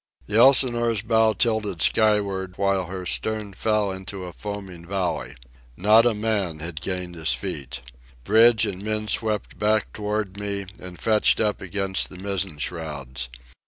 The Elsinore's bow tilted skyward while her stern fell into a foaming valley. Not a man had gained his feet. Bridge and men swept back toward me and fetched up against the mizzen shrouds.